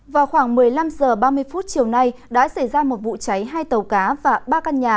vào khoảng một mươi năm h ba mươi phút chiều nay đã xảy ra một vụ cháy hai tàu cá